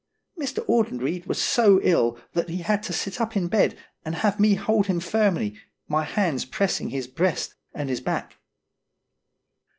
Mr. Audenried was so ill that he had to sit up in bed and have me hold him firmly, my hands pressing his breast and his back.